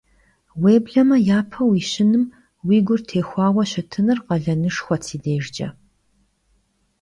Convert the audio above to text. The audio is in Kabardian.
Vuêbleme yape vuişınım vui gur têuxuaue şıtınır khalenışşxuet si dêjjç'e.